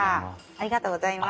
ありがとうございます。